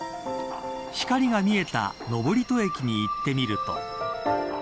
光が見えた登戸駅に行ってみると。